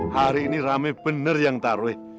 hari ini rame bener yang tarwe